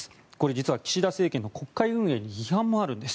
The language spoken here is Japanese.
実は岸田政権の国会運営に批判もあるんです。